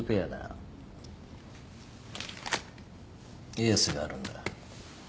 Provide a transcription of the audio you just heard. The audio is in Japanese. エースがあるんだ。